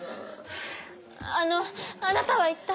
あのあなたは一体？